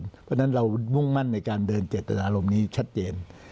เพราะฉะนั้นเรามุ่งมั่นในการเดินเจตนารมณ์นี้ชัดเจน